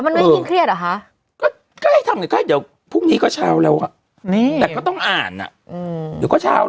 ไงวันนี้คุณศูนย์ภาคได้ดีมากค่ะ